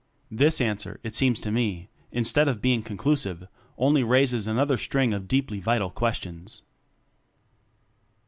This answer, it seems to me, in stead of being conclusive, only raises another string of deeply vital ques tions.